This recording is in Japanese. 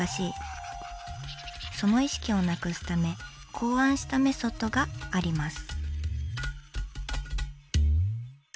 その意識をなくすため考案したメソッドがあります。